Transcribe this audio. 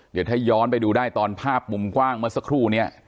เดี๋ยวถ้าย้อนไปดูได้ตอนภาพมุมกว้างเมื่อสักครู่นี้